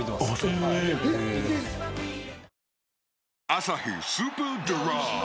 「アサヒスーパードライ」